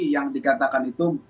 yang dikatakan itu